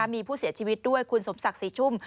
มีผู้เสียชีวิตด้วยคุณสมศักดิ์ศรีชุ่ม